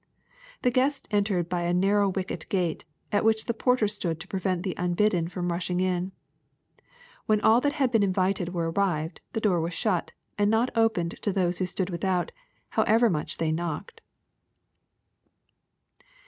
The guests entered by a narrow wicket gate, at which the porter stood to prevent the unbidden fi om rushing in. When all that had been invited were arrived, the door was shut, and not opened to those who stood without, however much they knocked.